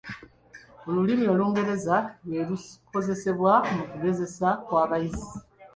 Olulimi Olungereza lwerukozesebwa mu kugezesebwa kw'abayizi.